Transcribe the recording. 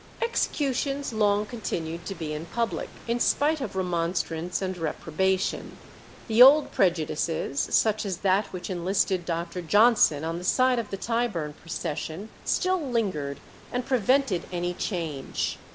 Executions long continued to be in public, in spite of remonstrance and reprobation. The old prejudices, such as that which enlisted Dr. Johnson on the side of the Tyburn procession, still lingered and prevented any change.